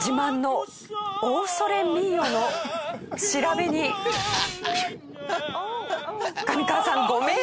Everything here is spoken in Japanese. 自慢の『オー・ソレ・ミオ』の調べに上川さんご名答！